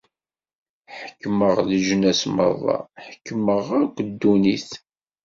Ḥekmeɣ leǧnas merra, ḥekmeɣ akk ddunit.